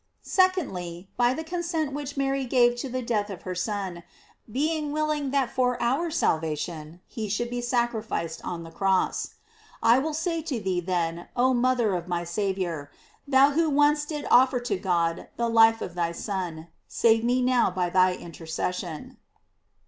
Secondly, by the consent which Mary gave to the death of her Son, being willing that for our salvation, he should be sacrificed on the cross. I will say to thee then, oh mother of my Saviour, thou who once didst offer to God the life of thy Son, save me now by thy intercession.